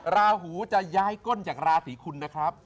ราหูจะย้ายก้นจากราศีคุณนะครับ